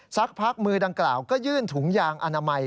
สักพักมือดังกล่าวก็ยื่นถุงยางอนามัย